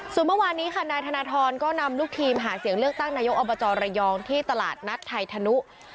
ส่วนเมื่อวานนี้ค่ะนายธนทรก็นำลูกทีมหาเสียงเลือกตั้งนายกอบจระยองที่ตลาดนัดไทยธนุ